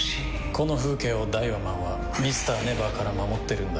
この風景をダイワマンはＭｒ．ＮＥＶＥＲから守ってるんだ。